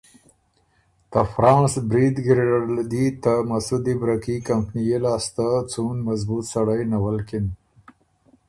ته فرانس برید ګیرډه له دی ته مسُودی برکي کمپنيې لاسته څُون مضبوط سړئ نَولکِن